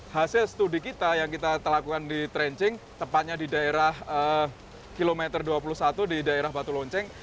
hasil studi kita yang kita lakukan di trencing tepatnya di daerah kilometer dua puluh satu di daerah batu lonceng